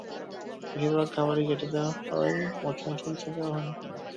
বেশিরভাগ খাবারই কেটে দেয়া হয়, মচমচে কিছু দেয়া হয় না।